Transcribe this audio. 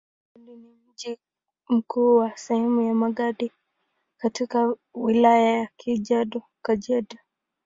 Magadi ni mji mkuu wa sehemu ya Magadi katika Wilaya ya Kajiado.